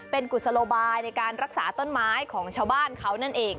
เป็นกุศโลบายในการรักษาต้นไม้ของชาวบ้านเขานั่นเอง